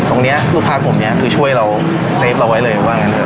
ตรงเนี้ยลูกค้ากลุ่มเนี้ยคือช่วยเราเราไว้เลยว่างั้นเถอะ